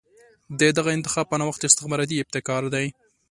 د دغه انتخاب په نوښت استخباراتي ابتکار دی.